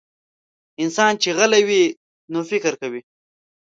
انسان چې غلی وي، نو فکر کوي.